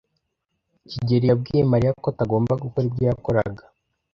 kigeli yabwiye Mariya ko atagomba gukora ibyo yakoraga.